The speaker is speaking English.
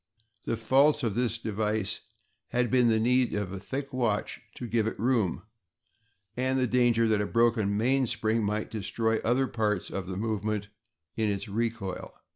The faults of this device had been the need of a thick watch to give it room, and the danger that a broken mainspring might destroy other parts of the movement in its recoil.